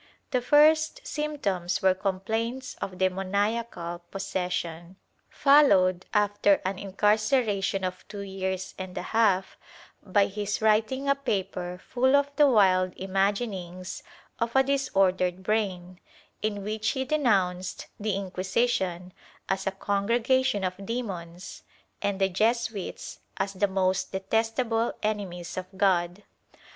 The first symptoms were complaints of demoniacal possession, followed, after an incar ceration of two years and a half, by his writing a paper full of the wild imaginings of a disordered brain, in which he denounced the Inquisition as a congregation of demons and the Jesuits as the most detestable enemies of God.